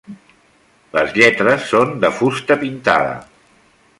Les lletres són de fusta pintada.